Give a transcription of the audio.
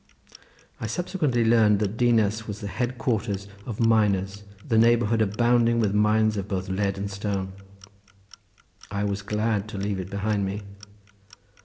I subsequently learned that Dinas was the head quarters of miners, the neighbourhood abounding with mines both of lead and stone. I was glad to leave it behind me.